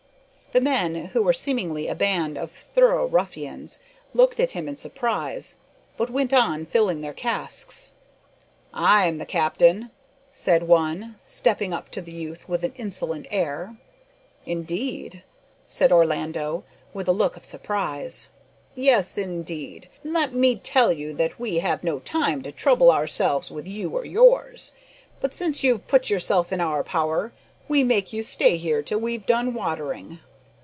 The men, who were seemingly a band of thorough ruffians, looked at him in surprise, but went on filling their casks. "I am the captain," said one, stepping up to the youth with an insolent air. "Indeed!" said Orlando, with a look of surprise. "Yes, indeed, and let me tell you that we have no time to trouble ourselves wi' you or yours; but since you've put yourself in our power, we make you stay here till we've done watering."